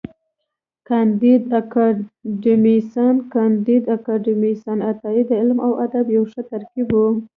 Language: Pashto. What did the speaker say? کانديد اکاډميسن کانديد اکاډميسن عطایي د علم او ادب یو ښه ترکیب و.